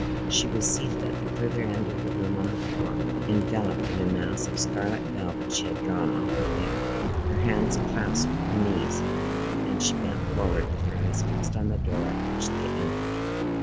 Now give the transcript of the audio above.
She was seated at the further end of the room on the floor, enveloped in a mass of scarlet velvet she had drawn off her bed; her hands clasped her knees, and she bent forward, with her eyes fixed on the door at which they entered.